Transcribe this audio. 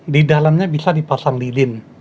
di dalamnya bisa dipasang lilin